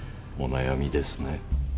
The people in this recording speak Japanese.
お悩みですね。